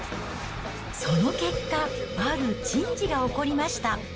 その結果、ある珍事が起こりました。